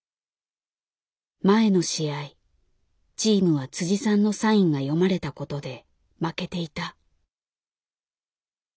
前の試合チームはさんのサインが読まれたことで負けていた。